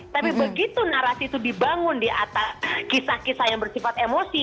tapi begitu narasi itu dibangun di atas kisah kisah yang bersifat emosi